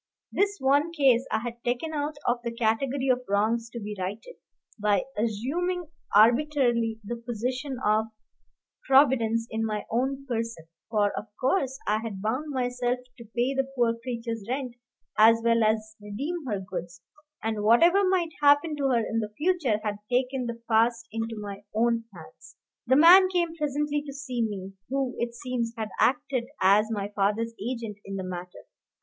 This one case I had taken out of the category of wrongs to be righted, by assuming arbitrarily the position of Providence in my own person, for, of course, I had bound myself to pay the poor creature's rent as well as redeem her goods, and, whatever might happen to her in the future, had taken the past into my own hands. The man came presently to see me, who, it seems, had acted as my father's agent in the matter.